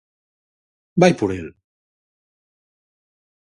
Vai por el.